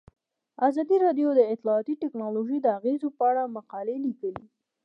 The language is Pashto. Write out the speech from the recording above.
ازادي راډیو د اطلاعاتی تکنالوژي د اغیزو په اړه مقالو لیکلي.